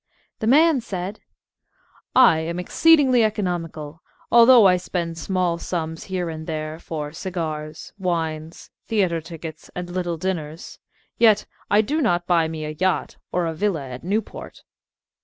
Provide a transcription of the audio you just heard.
The Man said: "I am Exceedingly Economical; although I spend Small Sums here and there for Cigars, Wines, Theater Tickets, and Little Dinners, yet I do not buy me a Yacht or a Villa at Newport."